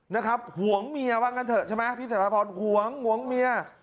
นะครับหวงเมียบ้างกันเถอะใช่ไหมพี่สัยภาพรหวงหวงเมีย